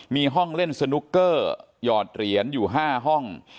มีห้องเล่นสนุกเกอร์หยอดเหรียญอยู่๕ห้อง